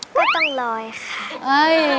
ก็ต่างร้อยค่ะ